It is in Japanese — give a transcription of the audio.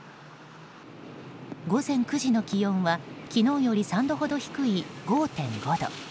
午前９時の気温は昨日より３度ほど低い５．５度。